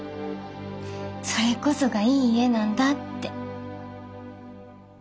それこそがいい家なんだって。